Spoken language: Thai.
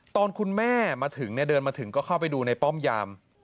ตอนคุณแม่มาถึงเดินมาถึงก็เข้าไปดูในป้อมยาม